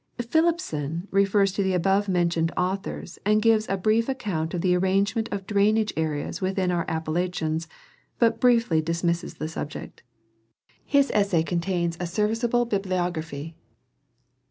Phillipson refers to the above mentioned authors and gives a brief account of the arrangement of drainage areas within our Appalachians, but briefly dismisses the subject. | His essay con tains a serviceable bibliography.